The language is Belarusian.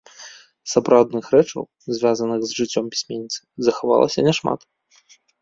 Сапраўдных рэчаў, звязаных з жыццём пісьменніцы, захавалася няшмат.